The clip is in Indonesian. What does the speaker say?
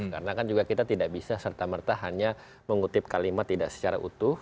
karena kan juga kita tidak bisa serta merta hanya mengutip kalimat tidak secara utuh